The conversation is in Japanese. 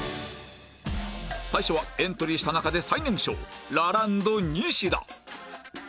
最初はエントリーした中で最年少ラランドニシダ